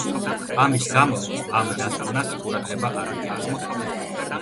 ამის გამო ამ დასკვნას ყურადღება არ მიექცა.